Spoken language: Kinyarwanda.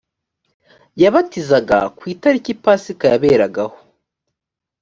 yabatizaga ku italiki pasika yaberagaho